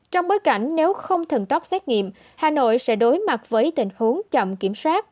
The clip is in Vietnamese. trong bối cảnh nếu không thần tóc xét nghiệm hà nội sẽ đối mặt với tình huống chậm kiểm soát